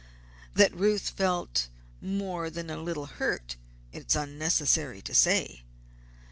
That Ruth felt more than a little hurt, it is unnecessary to say.